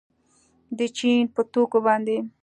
د چین په توکو باندې